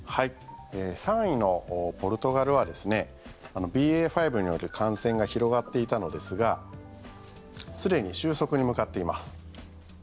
３位のポルトガルはＢＡ．５による感染が広がっていたのですがすでに収束に向かっています。